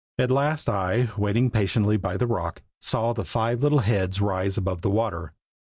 At last I, waiting patiently by the rock, saw the five little heads rise above the water.